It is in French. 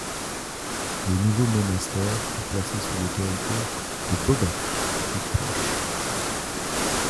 Le nouveau monastère est placé sous l'autorité de Beaubec, toute proche.